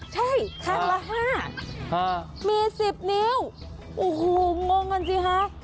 ใช่ครั้งละ๕มี๑๐นิ้วโอ้โหงงกันสิคะ